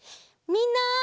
みんな！